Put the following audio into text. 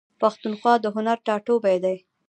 پښتونخوا د هنر ټاټوبی دی.